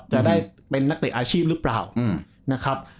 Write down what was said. จะได้เป็นนักเตะอาชีพหรือเปล่านะครับ